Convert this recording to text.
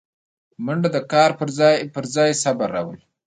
منډه د قهر پر ځای صبر راولي